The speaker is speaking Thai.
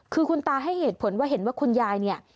คือคุณตาให้เหตุผลว่าเห็นว่าคุณยายเนี่ย